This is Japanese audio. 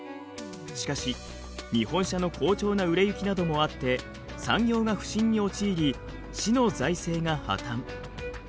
しかし日本車の好調な売れ行きなどもあって産業が不振に陥り市の財政が破綻。